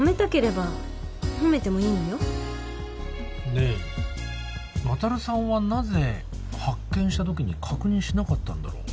ねえ渉さんはなぜ発見したときに確認しなかったんだろう？